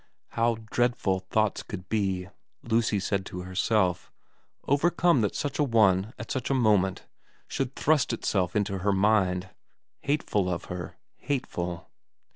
How dreadful thoughts could be, Lucy said to herself, overcome that such a one at such a moment should thrust itself into her mind. Hateful of her, hateful.